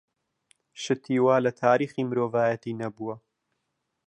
شتی وا لە تاریخی مرۆڤایەتی نەبووە.